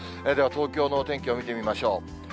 では東京のお天気を見てみましょう。